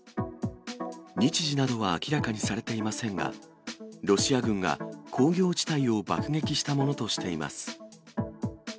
日時などは明らかにされていませんが、ロシア軍が工業地帯を爆撃したものとしています。